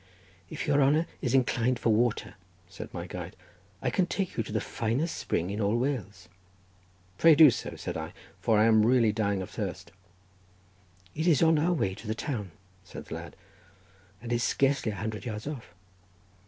"If your honour is inclined for water," said my guide, "I can take you to the finest spring in all Wales." "Pray do so," said I, "for I really am dying of thirst." "It is on our way to the town," said the lad, "and is scarcely a hundred yards off."